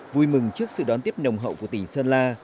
vui mừng trước sự đón tiếp nồng hậu của tỉnh sơn la